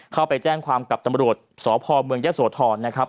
เข้าไปแจ้งความกับตำรวจสพเมืองยะโสธรนะครับ